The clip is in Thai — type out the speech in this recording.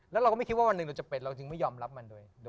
แล้วเราก็ไม่คิดว่าวันหนึ่งเราจะเป็นเราจึงไม่ยอมรับมันโดย